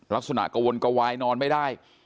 ลักษณะกระวนกระวายนอนไม่ได้